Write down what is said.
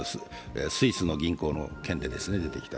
スイスの銀行の件で出てきた。